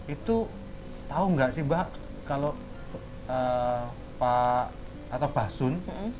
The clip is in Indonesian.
itu tahu nggak sih mbak kalau pak atau basun